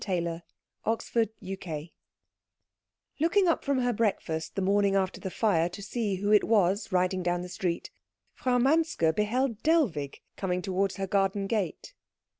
CHAPTER XXVI Looking up from her breakfast the morning after the fire to see who it was riding down the street, Frau Manske beheld Dellwig coming towards her garden gate.